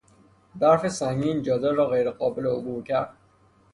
برف سنگین جاده را غیر قابل عبور کرد.